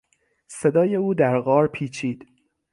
صدای او در غار پیچید.